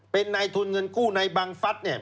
เป็นนายทุนเงินกู้ในบังฟัสเนี่ย